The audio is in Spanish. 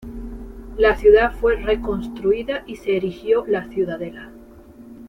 La ciudad fue reconstruida y se erigió la ciudadela.